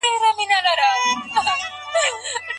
د درنو شیانو پورته کول څه زیان لري؟